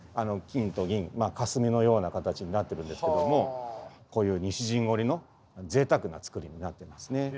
金と銀霞のような形になってるんですけどもこういう西陣織のぜいたくな作りになってますね。